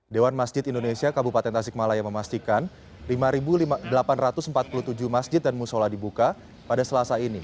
dewan masjid indonesia kabupaten tasikmalaya memastikan lima delapan ratus empat puluh tujuh masjid dan musola dibuka pada selasa ini